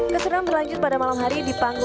keseruan berlanjut pada malam hari di panggung